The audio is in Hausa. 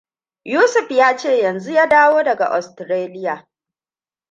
Yusuf ya ce yanzu ya dawo daga Ostiraliya.